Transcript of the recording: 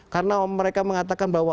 karena mereka mengatakan bahwa